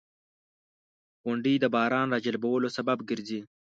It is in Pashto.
• غونډۍ د باران راجلبولو سبب ګرځي.